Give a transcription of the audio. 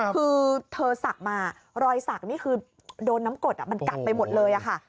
คือเธอศักดิ์มารอยสักนี่คือโดนน้ำกดมันกัดไปหมดเลยค่ะ